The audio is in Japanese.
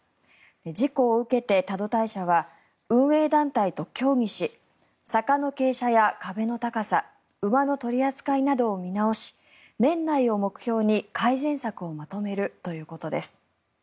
事故を受けて多度大社は運営団体と協議し坂の傾斜や壁の高さ馬の取り扱いなどを見直し年内を目標に改善策をまとめるということです。